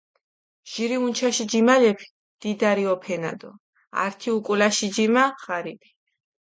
ჟირი უნჩაში ჯიმალეფი დინდარი ჸოფენა დო ართი უკულაში ჯიმა ღარიბი.